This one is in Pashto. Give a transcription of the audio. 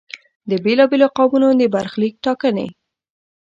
د بېلا بېلو قومونو د برخلیک ټاکنې.